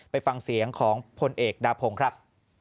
ไปฟังเสียงของพลเอกดาพงศ์ครับ